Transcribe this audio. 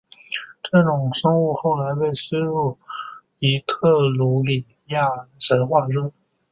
这种生物后来被吸纳入伊特鲁里亚神话中。